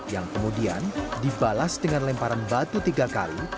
yang kemudian dibalas dengan lemparan batu tiga kali